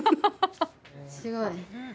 すごい。